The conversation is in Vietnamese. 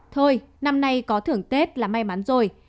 thôi năm nay có thưởng tết là may mắn rồi